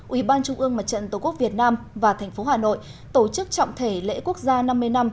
ủy ban trung ương mặt trận tổ quốc việt nam và thành phố hà nội tổ chức trọng thể lễ quốc gia năm mươi năm